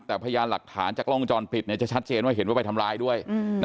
แต่พยานหลักฐานจากกล้องวงจรปิดจะชัดเจนว่าเห็นว่าไปทำร้ายด้วย